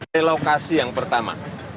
relokasi yang pertama